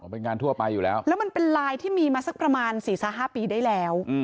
เป็นงานทั่วไปอยู่แล้วแล้วมันเป็นลายที่มีมาสักประมาณ๔๕ปีได้แล้ว